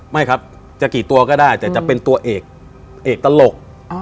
ไม่ครับจะกี่ตัวก็ได้แต่จะเป็นตัวเอกตลก